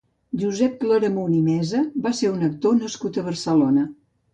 Josep Claramunt i Mesa va ser un actor nascut a Barcelona.